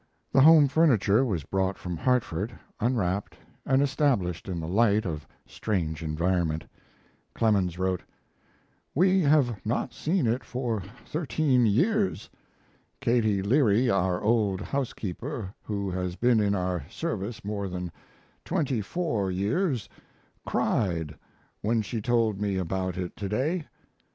The home furniture was brought from Hartford, unwrapped, and established in the light of strange environment. Clemens wrote: We have not seen it for thirteen years. Katie Leary, our old housekeeper, who has been in our service more than twenty four years, cried when she told me about it to day.